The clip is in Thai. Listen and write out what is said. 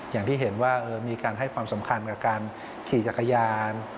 อย่างที่เห็นว่ามีการให้ความสำคัญกับการขี่จักรยาน